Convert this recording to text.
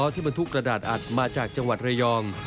บรรทุกกระดาษอัดมาจากจังหวัดระยอง